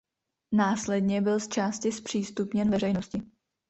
Následně byl zčásti zpřístupněn veřejnosti.